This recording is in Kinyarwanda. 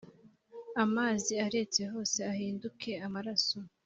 amazi aretse hose ahinduke amaraso